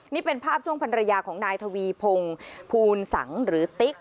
นี่เป็นภาพช่วงภัณฑ์ระยะของนายทวีพงพูนสังหรือติ๊ก